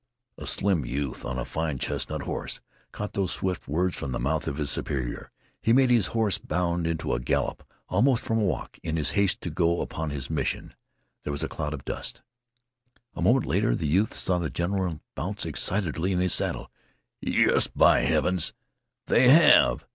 A slim youth on a fine chestnut horse caught these swift words from the mouth of his superior. He made his horse bound into a gallop almost from a walk in his haste to go upon his mission. There was a cloud of dust. A moment later the youth saw the general bounce excitedly in his saddle. "Yes, by heavens, they have!"